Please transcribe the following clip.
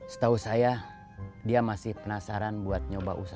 setahu saya dia masih penasaran buat nyoba baju muslim